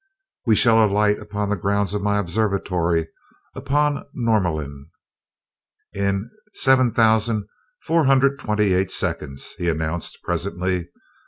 "We shall alight upon the grounds of my observatory upon Norlamin in seven thousand four hundred twenty eight seconds," he announced presently.